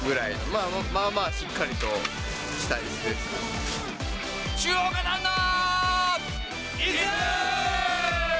まあまあしっかりとしたいすです。